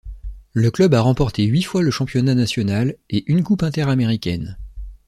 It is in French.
Le club a remporté huit fois le championnat national et une coupe inter-américaine.